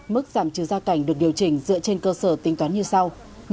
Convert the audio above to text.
mức giảm trừ gia cảnh được điều chỉnh dựa trên cơ sở tính toán như sau